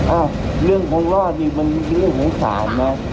อ้าวเรื่องของรอดมันยืดหนึ่งสามนะ